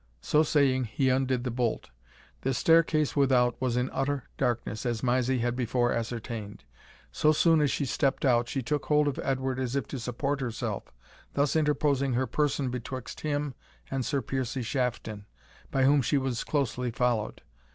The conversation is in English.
So saying, he undid the bolt. The staircase without was in utter darkness, as Mysie had before ascertained. So soon as she stept out, she took hold of Edward as if to support herself, thus interposing her person betwixt him and Sir Piercie Shaffcon, by whom she was closely followed.